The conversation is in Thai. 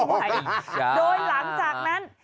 โดยหลังจากนั้น